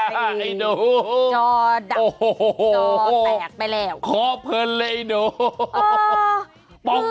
ว้ายนี่โหน้วโอ้โหจอแตกไปแล้วขอบคุณเลยนี่โหน้ว